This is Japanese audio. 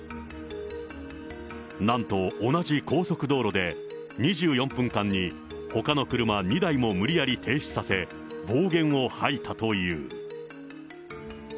なんと、同じ高速道路で、２４分間にほかの車２台も無理やり停止させ、暴言を吐いたという。